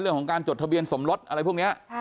เรื่องของการจดทะเบียนสมรสอะไรพวกนี้